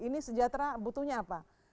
ini sejahtera butuhnya apa